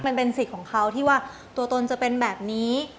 มันเป็นสิทธิ์ของเขาที่ว่าตัวตนจะเป็นแบบนี้